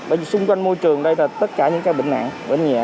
bởi vì xung quanh môi trường đây là tất cả những cái bệnh nạn bệnh nhẹ